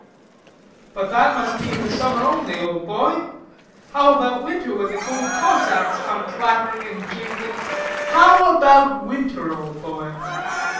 "But that must be in the summer only, old boy. How about winter, when the cold Cossacks come clattering and jingling? How about winter, old boy?"